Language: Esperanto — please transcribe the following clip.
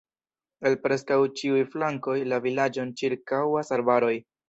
El preskaŭ ĉiuj flankoj la vilaĝon ĉirkaŭas arbaroj.